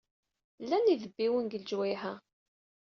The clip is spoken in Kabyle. Llan idebbiwen deg leǧwayeh-a?